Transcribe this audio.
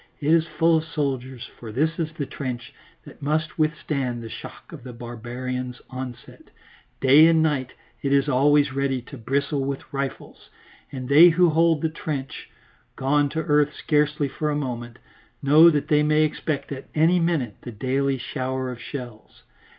It is full of soldiers, for this is the trench that must withstand the shock of the barbarians' onset; day and night it is always ready to bristle with rifles, and they who hold the trench, gone to earth scarcely for a moment, know that they may expect at any minute the daily shower of shells.